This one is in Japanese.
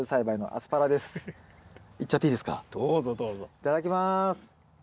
いただきます。